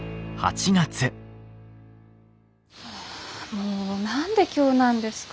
ああもう何で今日なんですか？